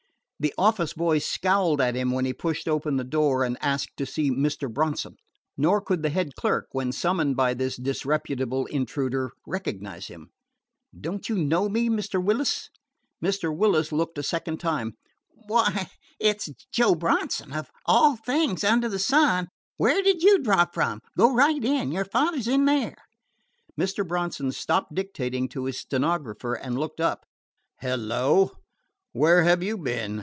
The office boy scowled at him when he pushed open the door and asked to see Mr. Bronson; nor could the head clerk, when summoned by this disreputable intruder, recognize him. "Don't you know me, Mr. Willis?" Mr. Willis looked a second time. "Why, it 's Joe Bronson! Of all things under the sun, where did you drop from? Go right in. Your father 's in there." Mr. Bronson stopped dictating to his stenographer and looked up. "Hello! Where have you been?"